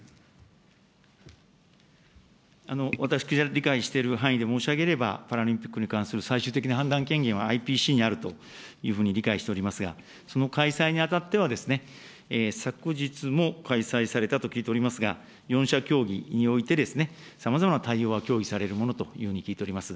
私、理解している範囲で申し上げれば、パラリンピックに関する最終的な判断権限はＩＰＣにあるというふうに理解しておりますが、その開催に当たってはですね、昨日も開催されたと聞いておりますが、４者協議において、さまざまな対応が協議されるものというふうに聞いております。